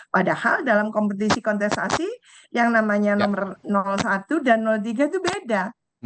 padahal dalam kompetisi kontestasi yang namanya nomor satu dan tiga itu beda